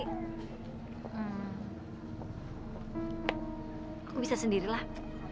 aku bisa sendirilah